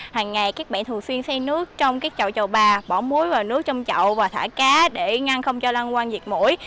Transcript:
hằng ngày các bạn thường xuyên xây nước trong chậu chậu bà bỏ muối vào nước trong chậu và thả cá để ngăn không cho lan quăng diệt mũi